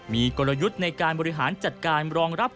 มีกลยุทธ์ในการบริหารจัดการรองรับ